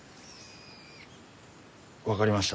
分かりました。